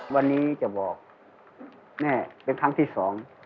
วันนี้จะบอกแม่เป็นครั้งที่สอง